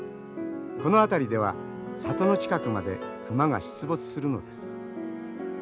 この辺りでは里の近くまで熊が出没するのです。